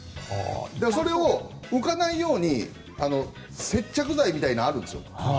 それを浮かないように接着剤みたいなのがあるんです。